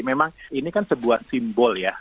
memang ini kan sebuah simbol ya